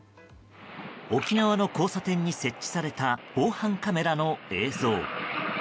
沖縄の交差点に設置された防犯カメラの映像。